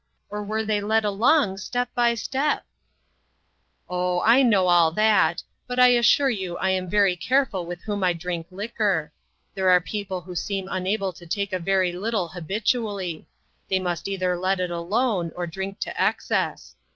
or were they led along step by step ?"" Oh, I know all that ; but I assure you I am very careful with whom I drink liquor. There are people who seem unable to take a very little habitually ; they must either let it alone, or drink to excess.